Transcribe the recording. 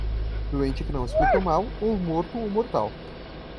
Doente que não explica o mal, ou morto ou mortal.